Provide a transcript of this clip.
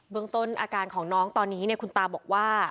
เมืองต้นอาการของน้องตอนนี้คุณตาบอกว่า